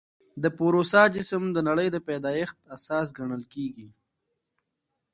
د پوروسا جسم د نړۍ د پیدایښت اساس ګڼل کېږي.